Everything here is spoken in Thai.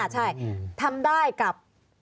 ใช่ทำได้กับ